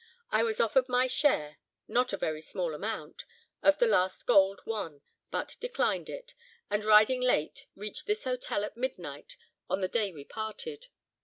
I was offered my 'share'—not a very small amount—of the last gold won, but declined it, and riding late, reached this hotel at midnight of the day we parted.